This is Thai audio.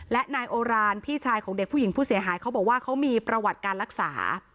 และนายโอรานพี่ชายของเด็กผู้หญิงผู้เสียหายเขาบอกว่าเขามีประวัติการรักษา